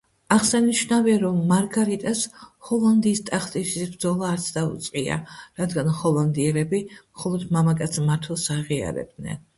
აღსანიშნავია, რომ მარგარიტას ჰოლანდიის ტახტისთვის ბრძოლა არც დაუწყია, რადგან ჰოლანდიელები მხოლოდ მამაკაც მმართველს აღიარებდნენ.